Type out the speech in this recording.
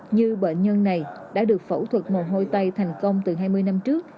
như bệnh nhân này đã được phẫu thuật mồ hôi thành công từ hai mươi năm trước